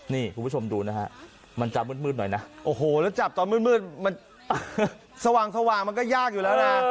นี่คุณผู้ชมดูนะฮะมันจะมืดหน่อยนะโอ้โหแล้วจับตอนมืดมันสว่างมันก็ยากอยู่แล้วนะ